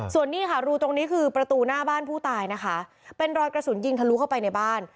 ส่วนนี้ค่ะรูตรงนี้คือประตูหน้าบ้านผู้ตายนะคะเป็นรอยกระสุนยิงทะลุเข้าไปในบ้าน